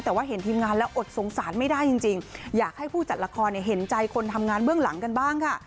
แต่ว่าเห็นทีมงานแล้วอดสงสารไม่ได้จริงอยากให้ผู้จัดละครเห็นใจคนทำงานเบื้องหลังกันบ้างค่ะ